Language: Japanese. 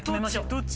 どっち？